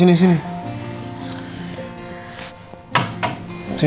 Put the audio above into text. yaudah sini sini